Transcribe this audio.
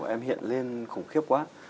em hiện lên khủng khiếp quá